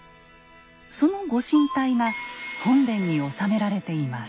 そのご神体が本殿に納められています。